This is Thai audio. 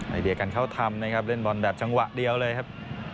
ไอเดียการเข้าทำนะครับเล่นบอลแบบจังหวะเดียวเลยครับ